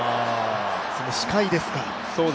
視界ですか。